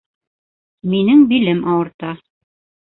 Минең билем ауырта